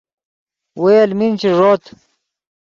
وئے المین چے ݱوت